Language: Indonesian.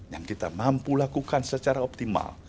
yang kita mampu lakukan secara optimal